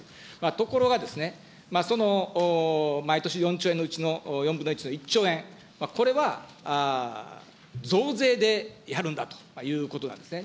ところが、その毎年４兆円のうちの４分の１の１兆円、これは増税でやるんだということなんですね。